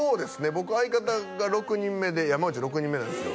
僕相方が６人目で山内６人目なんすよ